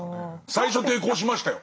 最初抵抗しましたよ。